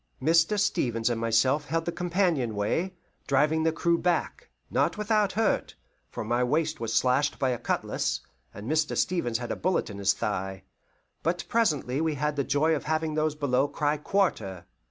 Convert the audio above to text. Mr. Stevens and myself held the companion way, driving the crew back, not without hurt, for my wrist was slashed by a cutlass, and Mr. Stevens had a bullet in his thigh. But presently we had the joy of having those below cry quarter.